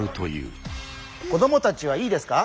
子供たちはいいですか？